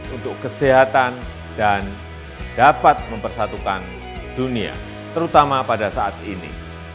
untuk kesehatan dan dapat mempersatukan dunia terutama pada saat ini